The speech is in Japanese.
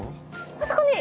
あそこに！